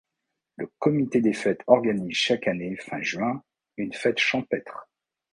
Le comité des fêtes organise chaque année fin juin une fête champêtre.